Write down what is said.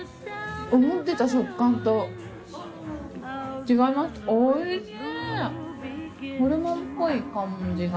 思ってた食感と違いますおいしい！